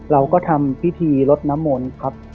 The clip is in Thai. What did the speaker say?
เราก็ทำพิธีรถน้ำมนต์